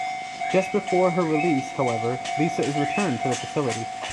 Just before her release, however, Lisa is returned to the facility.